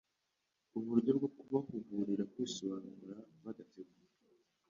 uburyo bwo kubahugurira kwisobanura badategwa